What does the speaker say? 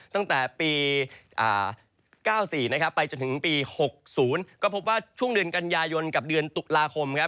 ตั้งแต่ปี๙๔นะครับไปจนถึงปี๖๐ก็พบว่าช่วงเดือนกันยายนกับเดือนตุลาคมครับ